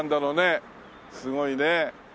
すごいね。